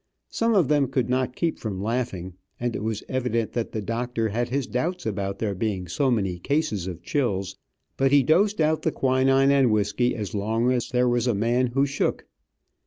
Some of them could not keep from laughing, and it was evident that the doctor had his doubts about there being so many cases of chills, but he dosed out the quinine and whisky as long as there was a man who shook.